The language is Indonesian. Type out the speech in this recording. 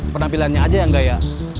penampilannya aja yang gaya